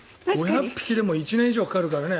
５００匹でも１年以上かかるからね。